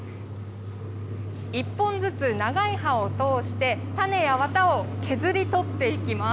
一本ずつ長い刃を通して、種やわたを削り取っていきます。